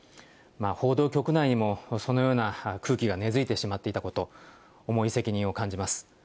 報道局内にもそのような空気が根づいてしまっていたこと、重い責任を感じます。